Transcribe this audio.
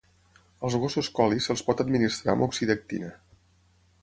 Als gossos Collie se'ls pot administrar moxidectina.